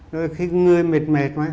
rồi khi người mệt mệt